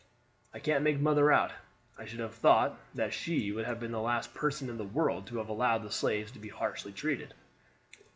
I can't make mother out; I should have thought that she would have been the last person in the world to have allowed the slaves to be harshly treated."